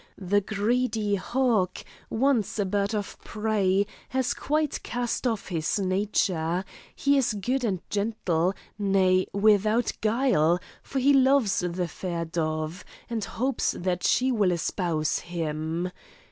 The greedy hawk, once a bird of prey, has quite cast off his nature; he is good and gentle, nay without guile, for he loves the fair dove, and hopes that she will espouse him.